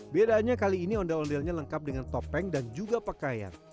bedaannya kali ini ondel ondelnya lengkap dengan topeng dan juga pakaian